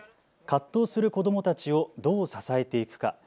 葛藤する子どもたちをどう支えていくか。